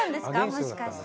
もしかして。